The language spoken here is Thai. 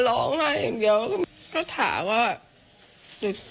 ตกลงไปจากรถไฟได้ยังไงสอบถามแล้วแต่ลูกชายก็ยังไง